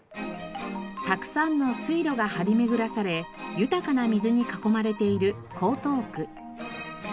たくさんの水路が張り巡らされ豊かな水に囲まれている江東区。